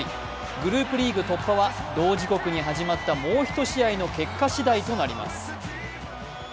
グループリーグ突破は同時刻に始まったもう一つの結果次第となります。